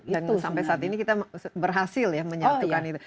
dan sampai saat ini kita berhasil ya menyatukan itu